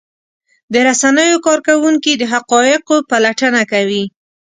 د رسنیو کارکوونکي د حقایقو پلټنه کوي.